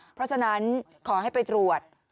เพราะฉะนั้นขอให้ไปตรวจ